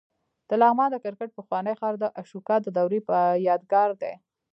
د لغمان د کرکټ پخوانی ښار د اشوکا د دورې یادګار دی